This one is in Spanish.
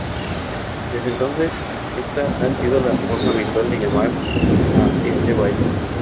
Desde entonces esta ha sido la forma habitual de llamar a este valle.